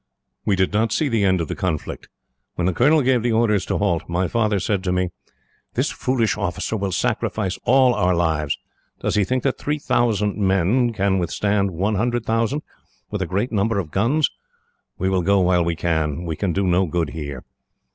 "We did not see the end of the conflict. When the colonel gave the orders to halt, my father said to me: "'This foolish officer will sacrifice all our lives. Does he think that three thousand men can withstand one hundred thousand, with a great number of guns? We will go while we can. We can do no good here.'